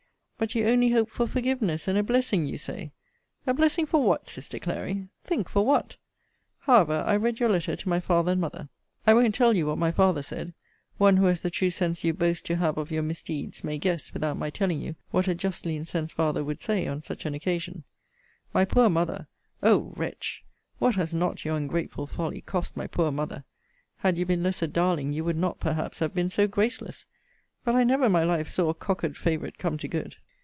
But you only hope for forgiveness and a blessing, you say. A blessing for what, sister Clary? Think for what! However, I read your letter to my father and mother. I won't tell you what my father said one who has the true sense you boast to have of your misdeeds, may guess, without my telling you, what a justly incensed father would say on such an occasion. My poor mother O wretch! what has not your ungrateful folly cost my poor mother! Had you been less a darling, you would not, perhaps, have been so graceless: But I never in my life saw a cockered favourite come to good.